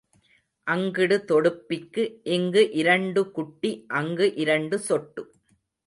அங்கிடு தொடுப்பிக்கு இங்கு இரண்டுகுட்டு அங்கு இரண்டுசொட்டு.